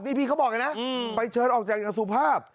นี่พี่เขาบอกไงนะอืมไปเชิญออกจากจะสุภาพ